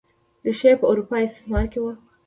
ریښه یې په اروپايي استعمار کې وه.